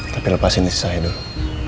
tapi lepasin saya dulu